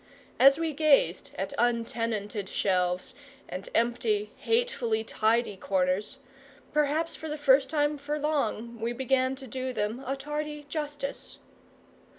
As we gazed at untenanted shelves and empty, hatefully tidy corners, perhaps for the first time for long we began to do them a tardy justice.